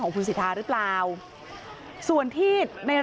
ลาออกจากหัวหน้าพรรคเพื่อไทยอย่างเดียวเนี่ย